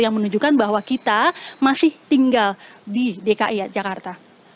yang menunjukkan bahwa kita masih tinggal di dki jakarta